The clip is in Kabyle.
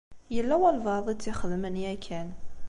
Yella walebɛaḍ i tt-ixedmen yakan.